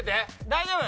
大丈夫。